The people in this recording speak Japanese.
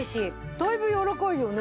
だいぶやわらかいよね。